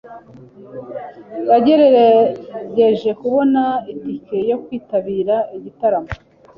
Yagerageje kubona itike yo kwitabira igitaramo.